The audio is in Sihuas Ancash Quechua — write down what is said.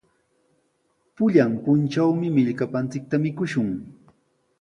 Pullan puntrawmi millkapanchikta mikushun.